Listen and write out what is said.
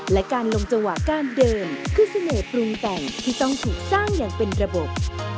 และการลงจังหวะการเดินคือเสน่หปรุงแต่งที่ต้องถูกสร้างอย่างเป็นระบบ